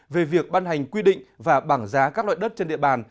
về việc ban hành quy định và bảng giá các loại đất trên địa bàn